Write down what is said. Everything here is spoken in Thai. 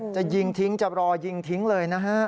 จะยิงทิ้งจะรอยิงทิ้งเลยนะฮะ